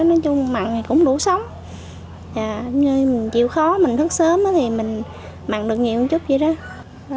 nói chung màng thì cũng đủ sống như mình chịu khó mình thức sớm thì mình màng được nhiều chút vậy đó